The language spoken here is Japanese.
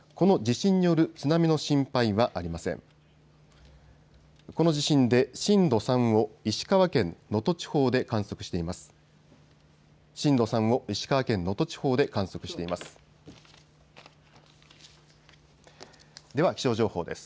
震度３を石川県能登地方で観測しています。